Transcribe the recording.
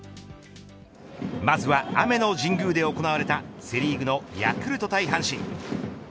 まずは雨の神宮で行われたセ・リーグのヤクルト対阪神。